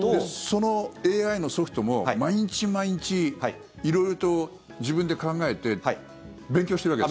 そのＡＩのソフトも毎日毎日、色々と自分で考えて勉強してます。